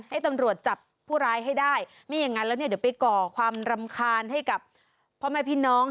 ให้ตำรวจจับผู้ร้ายให้ได้ไม่อย่างนั้นแล้วเนี่ยเดี๋ยวไปก่อความรำคาญให้กับพ่อแม่พี่น้อง